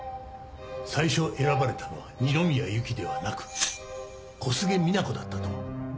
最初選ばれたのは二宮ゆきではなく小菅みな子だったとは。